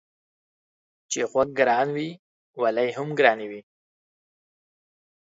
چي غوږ گران وي والى يې هم گران وي.